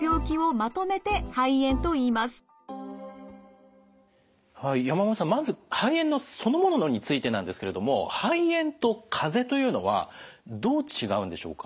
まず肺炎のそのものについてなんですけれども肺炎とかぜというのはどう違うんでしょうか？